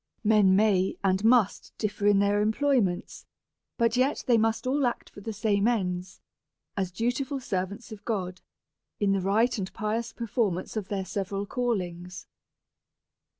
Men may and must differ in their employment, but yet they must all act for the same ends^ as dutiful ser vants of God, in the right and pious performance of their several callings.